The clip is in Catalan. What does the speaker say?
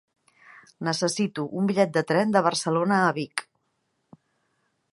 Necessito un bitllet de tren de Barcelona a Vic.